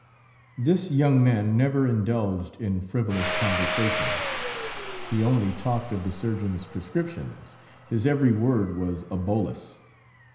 This young man never indulged in frivolous conversation; he only talked of the surgeon's prescriptions; his every word was a bolus.